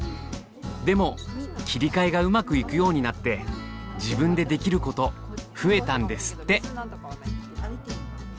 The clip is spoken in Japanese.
でも切り替えがうまくいくようになって自分でできること増えたんですって。